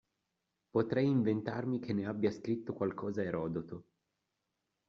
Potrei inventarmi che ne abbia scritto qualcosa Erodoto